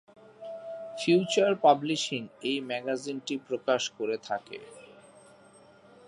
Future Publishing এই ম্যাগাজিনটি প্রকাশ করে থাকে।